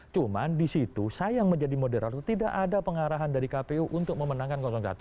cuma di situ saya yang menjadi moderator itu tidak ada pengarahan dari kpu untuk memenangkan satu